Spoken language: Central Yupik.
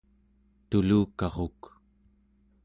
tulukaruk